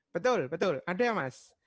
betul betul ada mas